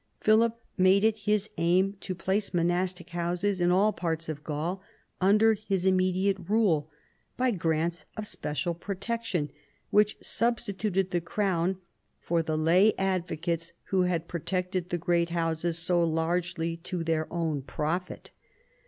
Philip made it his aim to place monastic houses in all parts of Gaul under his immediate rule, by grants of special protection, which substituted the Crown ' for the lay advocates who had protected the great houses so largely to their own profit.